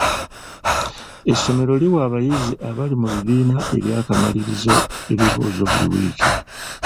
Essomero liwa abayizi abali mu bibiina eby'akamalirizo ebibuuzo buli wiiki.